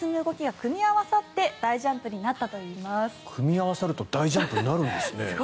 組み合わさると大ジャンプになるんですね。